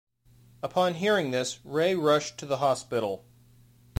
Upon hearing this, Ray rushed to the hospital.